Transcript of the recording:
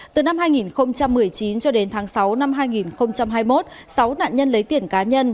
từ năm hai nghìn một mươi chín cho đến tháng sáu năm hai nghìn hai mươi một sáu nạn nhân lấy tiền cá nhân